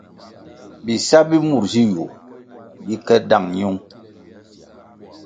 Bisa bi mur zi yu bi ke dáng ñiung.